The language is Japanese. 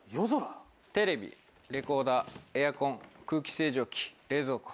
テレビ、レコーダー、エアコン空気清浄機、冷蔵庫。